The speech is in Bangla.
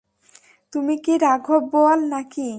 তুমি কি রাঘব বোয়াল না-কি?